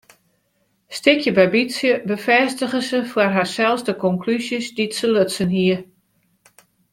Stikje by bytsje befêstige se foar harsels de konklúzjes dy't se lutsen hie.